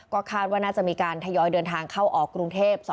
ก็คาดว่าน่าจะมีการทยอยเดินทางเข้าออกกรุงเทพ